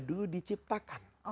dia dulu diciptakan